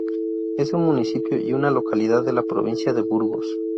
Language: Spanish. Es un municipio y una localidad de la provincia de Burgos.